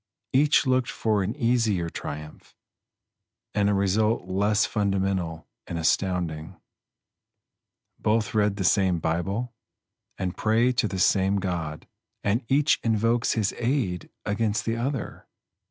Each looked for an easier triumph, and a result less fundamental and astounding. Both read the same Bible, and pray to the same God; and each invokes his aid against the other.